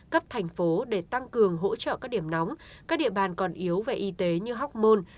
cấp thành phố để tăng cường hỗ trợ các điểm nóng các địa bàn còn yếu về y tế như học môn